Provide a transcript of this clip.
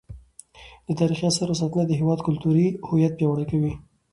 د تاریخي اثارو ساتنه د هیواد کلتوري هویت پیاوړی کوي.